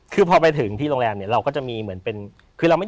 คือพอไปถึงที่โรงแรมเนี่ยเราก็จะมีเหมือนเป็นคือเราไม่